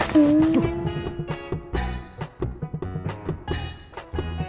kalau dik criesic dan dompet sama